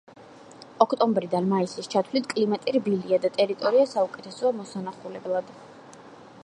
ოქტომბრიდან მაისის ჩათვლით კლიმატი რბილია და ტერიტორია საუკეთესოა მოსანახულებლად.